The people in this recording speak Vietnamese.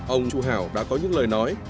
ông chu hảo đã có những lời nói